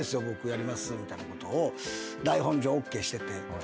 僕やります」みたいなことを台本上ＯＫしてて。